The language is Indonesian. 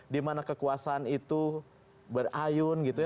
dimana kekuasaan itu berayun gitu ya